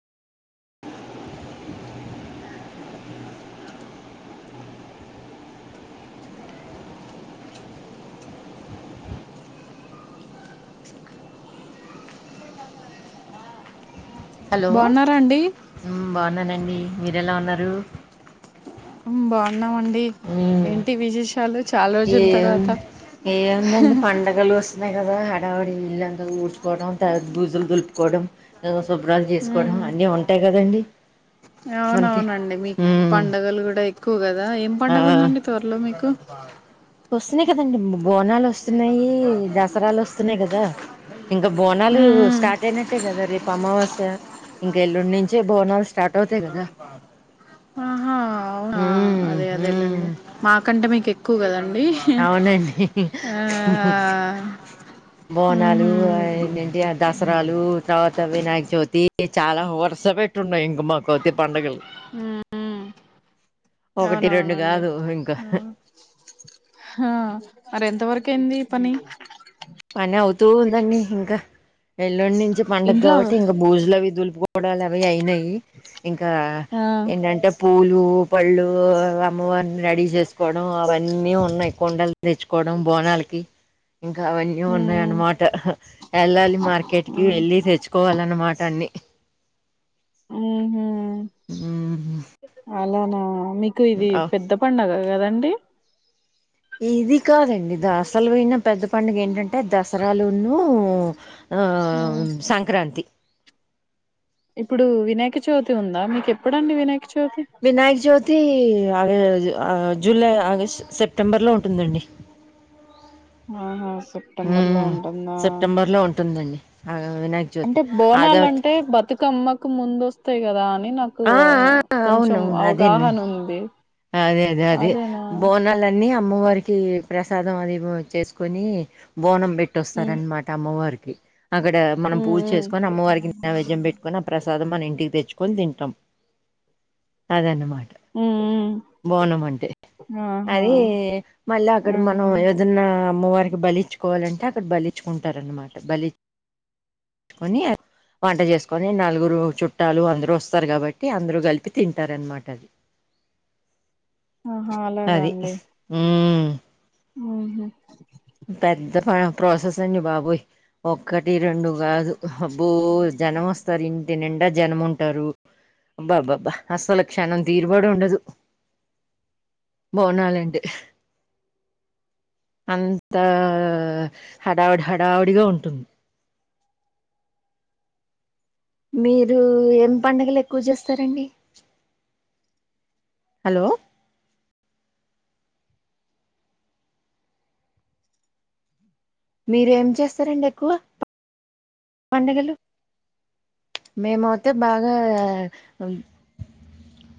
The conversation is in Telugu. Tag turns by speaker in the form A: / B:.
A: హలో
B: బాగున్నారా అండి
A: హ్ బాగున్నానండి మీరు ఎలా ఉన్నారు
B: బాగున్నామండి.
A: మ్మ్.
B: ఏంటి విశేషం చాల రోజుల తర్వాత
A: గలు వస్తున్నాయి కదా హడావాడి ఇల్లంతా ఊడ్చుకోవడం త బూజుల్ దుల్పుకోడం శుభ్రాలు చేసుకోవడం అన్నీ ఉంటాయి. కదండి
B: అవును
A: మనకి
B: అవును అండి మీక్
A: మ్మ్
B: పండగలు కూడా ఎక్కువ కదా ఏం
A: ఆ
B: పండగ ఉందండి. త్వరలో మీకు
A: వస్తున్నాయి కదండి బోనాలు వస్తున్నయి దసరాలు వస్తున్నాయి. కదా ఇంక బోనాలు
B: మ్,
A: స్టార్ట్ అయిన అంతే కదా రేప్ అమావాస్య ఇంక ఎల్లుండి నుంచే బోనాల్ స్
B: ఆహా అవున
A: మ్మ్
B: అదే
A: మ్మ్
B: అదేలాండి మాకంటే మీకెక్కువ కదండి
A: అవునండి
B: ఆ,
A: బోనాలు
B: మ్హూ.
A: అయిన్డి దస్ రాలు తర్వాత వినాయక చవితి చాలా వరుస పెట్టున్నాయి ఇంక మాకువితి పండుగలు
B: మ్మ్
A: ఒకటి రెండు
B: అవునవునండి
A: కాదు ఇంకా
B: ఆ హ మరి ఎంత వరకైయింది పని
A: పని అవుతూ ఉందండి ఇంకా ఎల్లుండి నుంచి పండుగ
B: ఇంట్లో
A: కాబట్టి ఇంక భూజులవి దులుపుకోవడాలు అవి అయినాయి ఇంకా
B: ఆ,
A: ఏంటంటే పూలు పళ్ళు అమ్మవారిని రెడీ చేసుకోవడం అవన్నీ ఉన్నాయ్ కుండల్ తెచ్చుకోవడం బోనాలకి ఇంకా అవనీ నీ
B: మ్, మ్.
A: ఉన్నాయనమాట ఎళ్ళాలి మార్కెట్కి వెళ్ళి తెచ్చుకోవాలనమాట అన్ని
B: ఉహు అలానా మీకు ఇది పెద్ద పండుగ గాదండి
A: ఇది కాదండి దాసలు వోన పెద్ద పండుగ ఏంటంటే దసరాలును ఆ సంక్రాంతి
B: ఇప్పుడు వినాయక చవితి ఉందా మీక ఎప్పుడండి వినాయక చవితి
A: వినాయక చౌవితి ఆడిలజూ ఆ జూలై ఆగస్ట్ సెప్టెంబర్లో ఉంటుందండి
B: ఆహా స
A: ఉ సెప్టెంబర్ లో ఉంటుందండి ఆ వినాయ
B: అంటే బోనాలంటే బతుకమ్మకు ముందొస్తాయ్ కదా అని నా
A: ఆ
B: [unintelligible]
A: ఆ
B: కొంచెం
A: అవునవును అదేను
B: అవగాహన ఉంది
A: అదే అదే అదే
B: అదేనా
A: బోన్ న్నలన్నీ అమ్మవారికి ప్రసాదం అదిగో చేసుకొని బోనం
B: ఉమ్
A: పెట్టొస్తారన్మా టమ్మవారికి అక్కడ మనం
B: ఉమ్
A: పూచేసుకొని అమ్మవారికి నైవేద్యం పెట్టుకొని అ ప్రసాదం మన ఇంటికి తెచ్చుకొన్ తింటాం అదన్నమాట
B: మ్ మ్
A: బోనం అంటే అది మళ్ళి అక్కడ మనం
B: ఉమ్
A: దన్న అమ్మవారికి బలిచుకోవాలంటే అక్కడ బలిచుకుంటారన్నమాట బలి కొనీ య వంట చేసుకొని నలుగురు చుట్టాలు అందరుూ వస్తారు కాబట్టి అందరుూ కలిపి తింటారు అనమాట అది
B: ఆహా అలాగా
A: అది
B: అండి
A: ఉమ్
B: ఉహు
A: పెద్ద ఆ ప్రోసెస్ అండి బాబాయ్ ఒక్కటి రెండు గాదు అబ్బో జనం వస్తారు ఇంటి నిండా జనం ఉంటారు అబ్బబ్బ అసలక్ష్షణం తీరుపాడు ఉండదు బోనాలందే అం త హడావుడి హడావుడిగా ఉంటుంది మీరు ఏం పండగలు ఎక్కువ చేస్తారండి హలో మీరు ఏం చేస్తారండి ఎక్కువ పండగలు మేమవుతే బాగా